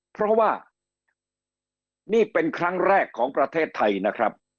เพราะว่านี่เป็นครั้งแรกของประเทศไทยนะครับ